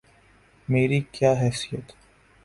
میری کیا حیثیت؟